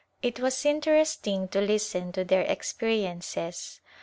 It was interesting to listen to their ex periences.